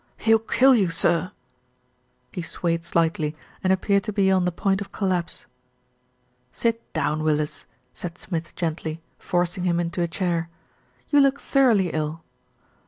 "He'll kill you, sir." He swayed slightly, and ap peared to be on the point of collapse. "Sit down, Willis," said Smith gently, forcing him into a chair. "You look thoroughly ill."